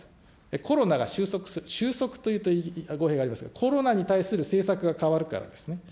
コロナが収束というと語弊がありますが、コロナに対する政策が変わるからですね。